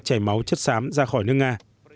chảy máu chất xám ra khỏi nước nga